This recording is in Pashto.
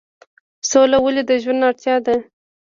سوله ولې د ژوند اړتیا ده؟